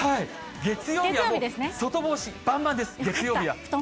月曜日はもう、外干し、ばんばんです。月曜日は。